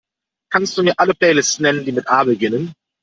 Kannst Du mir alle Playlists nennen, die mit A beginnen?